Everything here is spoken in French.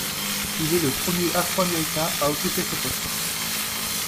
Il est le premier Afro-Américain à occuper ce poste.